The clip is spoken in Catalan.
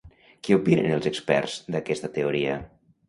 Què opinen els experts d'aquesta teoria?